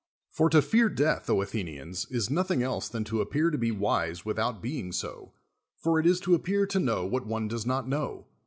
For to fear death, Athenians, is nothing else than to appear to be wise without being so , for it is to appear to know what one does not know.